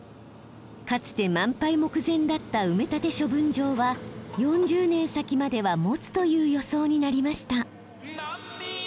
かつて満杯目前だった埋め立て処分場は４０年先まではもつという予想になりました。